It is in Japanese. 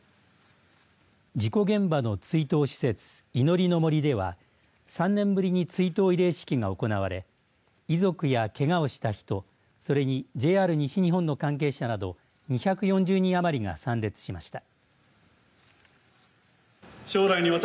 事故現場の追悼施設、祈りの杜では３年ぶりに追悼慰霊式が行われ遺族やけがをした人、それにＪＲ西日本の関係者など２４０人余りが参列しました。